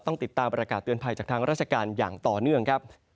ต้องติดตามประกาศเตือนภัยจากทางราชการอย่างต่อเนื่องครับ